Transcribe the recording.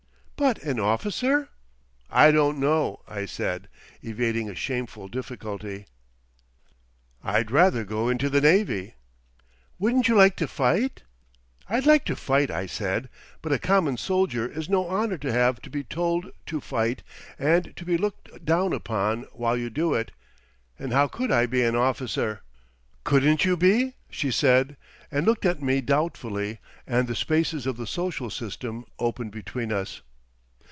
"But an officer?" "I don't know," I said, evading a shameful difficulty. "I'd rather go into the navy." "Wouldn't you like to fight?" "I'd like to fight," I said. "But a common soldier it's no honour to have to be told to fight and to be looked down upon while you do it, and how could I be an officer?" "Couldn't you be?" she said, and looked at me doubtfully; and the spaces of the social system opened between us.